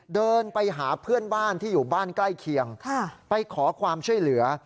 เดินไปหาเพื่อนบ้านที่อยู่บ้านใกล้เคียงไปขอความช่วยเหลือ